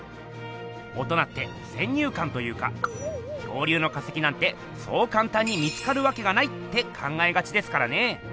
大人って先入かんというか「恐竜の化石なんてそうかんたんに見つかるわけがない」って考えがちですからね。